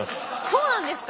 そうなんですか？